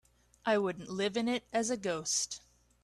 I wouldn't live in it as a ghost.